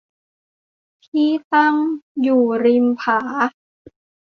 ที่ตั้งอยู่ริมผา